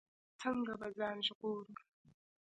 څنګه به ځان ژغورو.